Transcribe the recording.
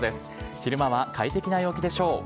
昼間は快適な陽気でしょう。